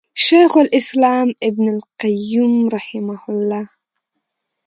شيخ الإسلام ابن القيّم رحمه الله